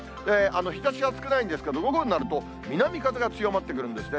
日ざしが少ないんですけれども、午後になると南風が強まってくるんですね。